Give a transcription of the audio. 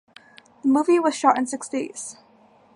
The movie was shot in six days.